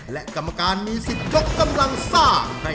และกรรมการมีสิทธิ์ยกกำลังซ่า